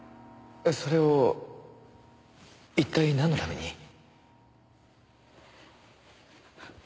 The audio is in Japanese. それを一体なんのために？